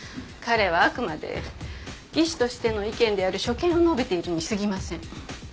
彼はあくまで技師としての意見である所見を述べているにすぎません。